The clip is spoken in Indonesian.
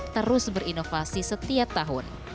terus berinovasi setiap tahun